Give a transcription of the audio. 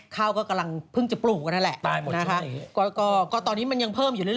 ข้าวก็เพิ่งจะปลูกกันแหละตอนนี้มันยังเพิ่มอยู่เรื่อย